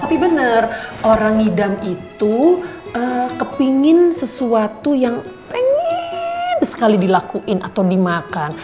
tapi bener orang ngidam itu kepengen sesuatu yang pengen sekali dilakuin atau dimakan